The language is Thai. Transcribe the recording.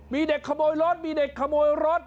มีเด็กขโมยรถมีเด็กขโมยรถ